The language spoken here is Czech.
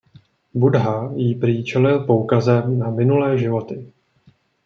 Buddha jí prý čelil poukazem na minulé životy.